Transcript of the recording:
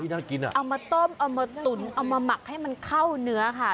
น่ากินอ่ะเอามาต้มเอามาตุ๋นเอามาหมักให้มันเข้าเนื้อค่ะ